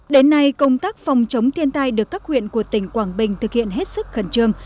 đến nay công tác phòng chống thiên tai được các huyện của tỉnh quảng bình thực hiện hết sức khẩn trương